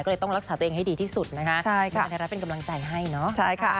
ก็เลยต้องรักษาตัวเองให้ดีที่สุดนะคะพี่หญิงไทรัศน์เป็นกำลังใจให้เนอะนะคะพี่หญิงไทรัศน์เป็นกำลังใจให้นะคะ